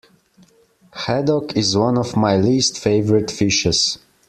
Haddock is one of my least favourite fishes